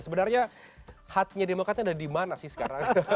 sebenarnya hatinya demokratnya ada di mana sih sekarang